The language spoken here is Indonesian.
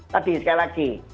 tadi sekali lagi